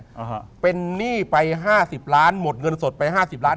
อ่าฮะเป็นหนี้ไปห้าสิบล้านหมดเงินสดไปห้าสิบล้าน